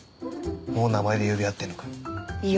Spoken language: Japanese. もう名前で呼び合ってんのかよ。